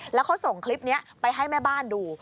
แล้วเขาส่งคลิปนี้ไปให้แม่บ้านดู